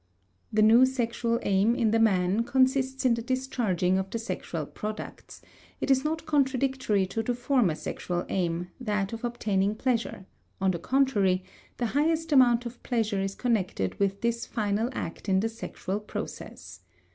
The new sexual aim in the man consists in the discharging of the sexual products; it is not contradictory to the former sexual aim, that of obtaining pleasure; on the contrary, the highest amount of pleasure is connected with this final act in the sexual process.